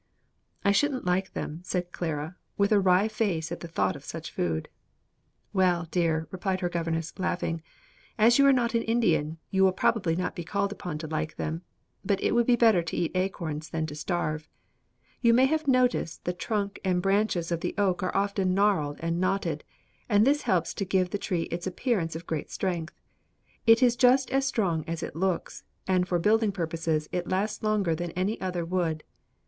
"I shouldn't like them," said Clara, with a wry face at the thought of such food. "Well, dear," replied her governess, laughing, "as you are not an Indian, you will probably not be called upon to like them; but it would be better to eat acorns than to starve. You may have noticed the trunk and branches of the oak are often gnarled and knotted, and this helps to give the tree its appearance of great strength. It is just as strong as it looks, and for building purposes it lasts longer than any other wood.